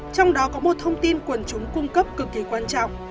trong đó có một thông tin quần chúng cung cấp cực kỳ quan trọng